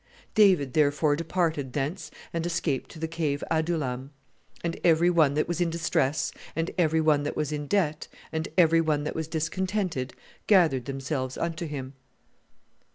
"David therefore departed thence and escaped to the Cave Adullam ... and every one that was in distress, and every one that was in debt, and every one that was discontented, gathered themselves unto him."